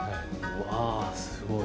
うわすごい。